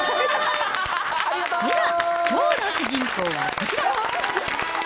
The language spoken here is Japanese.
それでは、きょうの主人公はこちら。